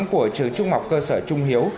của trường trung học cơ sở trung hiếu